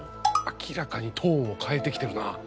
明らかにトーンを変えてきてるな。